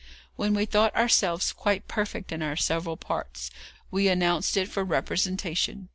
When we thought ourselves quite perfect in our several parts, we announced it for representation.